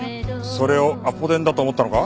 それをアポ電だと思ったのか？